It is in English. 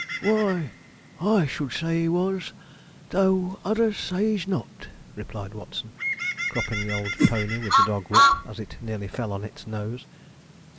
'Why, I should say he was; though others say he's not,' replied Watson, cropping the old pony with the dog whip, as it nearly fell on its nose.